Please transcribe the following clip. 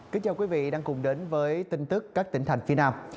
kính chào quý vị đang cùng đến với tin tức các tỉnh thành phía nam